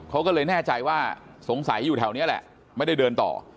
เขาก็เลยแน่ใจว่าสงสัยอยู่แถวนี้แหละไม่ได้เดินต่อ